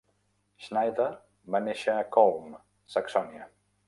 Schneider va néixer a Collm, Saxònia.